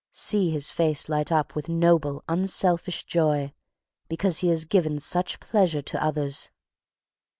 See his face light up with noble, unselfish joy, because he has given such pleasure to others!